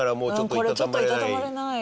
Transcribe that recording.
これちょっといたたまれない。